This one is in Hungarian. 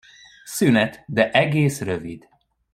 Szünet, de egész rövid.